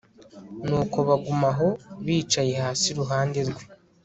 nuko baguma aho, bicaye hasi iruhande rwe